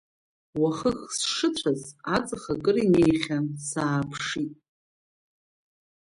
Уахык сшыцәаз, аҵх акыр инеихьан сааԥшит.